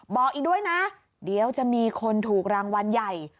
บอกอีกด้วยนะเดี๋ยวจะมีคนถูกรางวัลใหญ่